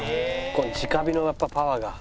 この直火のやっぱりパワーが。